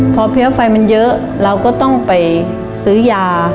พอเพี้ยไฟมันเยอะเราก็ต้องไปซื้อยา